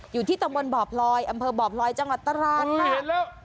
อยู่ที่ตรงบนบอบรอยอำเภอบอบรอยจังหวัดตราราชนะ